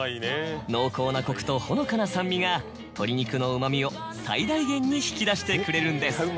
濃厚なコクとほのかな酸味が鶏肉のうま味を最大限に引き出してくれるんです。